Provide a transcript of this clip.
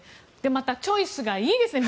また、チョイスがいいですね。